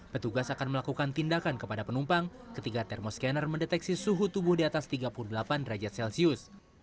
petugas akan melakukan tindakan kepada penumpang ketika thermoscanner mendeteksi suhu tubuh di atas tiga puluh delapan derajat celcius